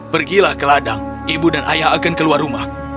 pergilah ke ladang ibu dan ayah akan keluar rumah